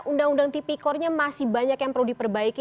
undang undang tipikornya masih banyak yang perlu diperbaiki